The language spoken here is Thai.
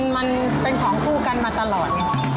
มันเป็นของคู่กันมาตลอดไง